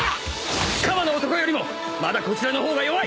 鎌の男よりもまだこちらの方が弱い！